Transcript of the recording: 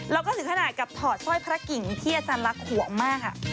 แล้วก็ถึงขนาดกับถอดสร้อยพระกิ่งที่อาจารย์รักห่วงมากค่ะ